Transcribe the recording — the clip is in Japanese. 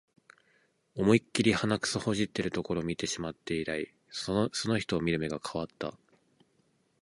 思いっきり鼻くそほじってるところ見てしまって以来、その人を見る目が変わった